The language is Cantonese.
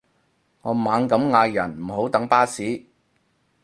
我猛咁嗌人唔好等巴士